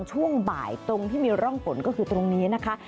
ช่วงบ่ายตรงที่มีร่องฝนก็คือตรงนี้นะคะ